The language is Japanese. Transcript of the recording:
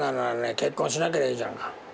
結婚しなけりゃいいじゃんか。